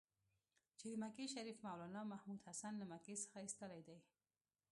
چې د مکې شریف مولنا محمودحسن له مکې څخه ایستلی دی.